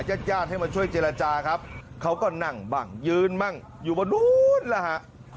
ญาติญาติให้มาช่วยเจรจาครับเขาก็นั่งบ้างยืนบ้างอยู่บนนู้นแล้วฮะ